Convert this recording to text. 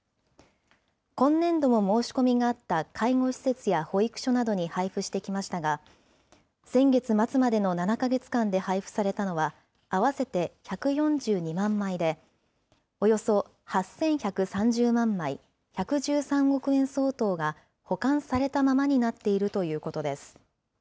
今年度も申し込みがあった介護施設や保育所などに配布してきましたが、先月末までの７か月間で配布されたのは、合わせて１４２万枚で、およそ８１３０万枚、１１３億円相当が保管されたままになっているということです。